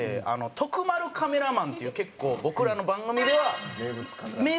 徳丸カメラマンっていう結構僕らの番組では名物カメラマンで。